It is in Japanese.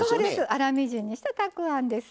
粗みじんにしたたくあんです。